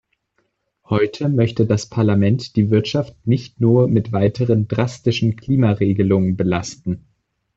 Heute möchte das Parlament die Wirtschaft nicht nur mit weiteren drastischen Klimaregelungen belasten.